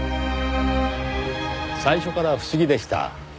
最初から不思議でした。